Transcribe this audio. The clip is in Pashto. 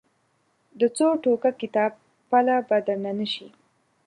د څو ټوکه کتاب پله به درنه نه شي.